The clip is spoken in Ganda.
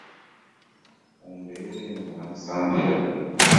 Mu mbeera eno mwe namusangira.